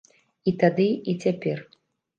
І тады, і цяпер.